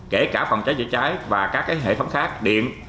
kể cả phòng cháy chữa cháy và các hệ phẩm khác điểm